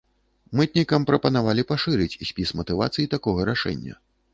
Мытнікам прапанавалі пашырыць спіс матывацый такога рашэння.